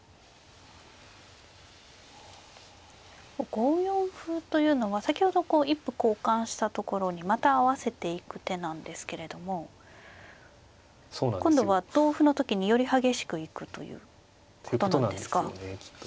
５四歩というのは先ほど一歩交換したところにまた合わせていく手なんですけれども今度は同歩の時により激しく行くということなんですか。ということなんですよねきっとね。